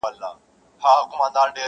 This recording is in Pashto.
کرې شپه وایو سندري سپېدې وچوي رڼا سي،